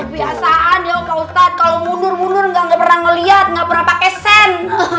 kebiasaan ya kak ustadz kalau mundur mundur gak pernah ngeliat nggak pernah pakai sen